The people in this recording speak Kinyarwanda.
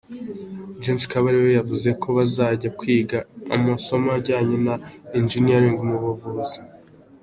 James Kabarebe yavuze ko bazajya kwiga amasomo ajyanye na Engineering n’ubuvuzi.